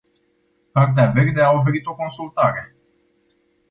Cartea verde a oferit o consultare...